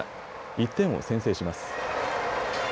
１点を先制します。